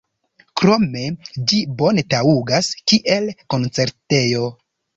Krome ĝi bone taŭgas kiel koncertejo.